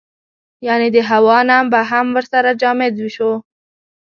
یعنې د هوا نم به هم ورسره جامد شو.